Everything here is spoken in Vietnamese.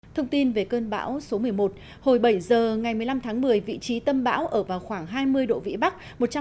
thông tin về cơn bão số một mươi một hồi bảy giờ ngày một mươi năm tháng một mươi vị trí tâm bão ở vào khoảng hai mươi độ vĩ bắc